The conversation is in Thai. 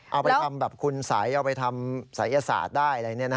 เอาไปทำแบบคุณสายเอาไปทำสายอาศาสตร์ได้อะไรแบบนี้